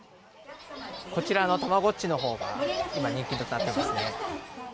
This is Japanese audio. こちらのたまごっちのほうが今、人気となってますね。